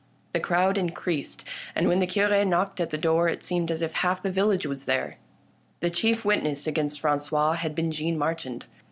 The crowd increased, and when the Cure knocked at the door it seemed as if half the village was there. The chief witness against FranQois had been Jeanne Marchand.